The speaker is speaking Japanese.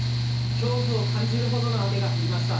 恐怖を感じるほどの雨が降りました。